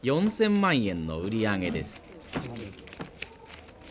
４，０００万円の売り上げです。